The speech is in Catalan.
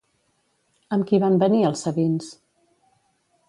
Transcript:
Amb qui van venir els sabins?